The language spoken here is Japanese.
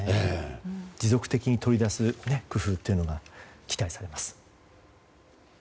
持続的に取り出す工夫が期待されます。